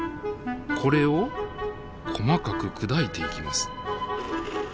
これを細かく砕いていきます。